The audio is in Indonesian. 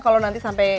kalau nanti sampai